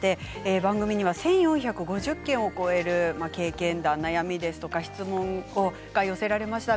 番組には１４５０件を超える経験談、悩みですとか質問が寄せられました。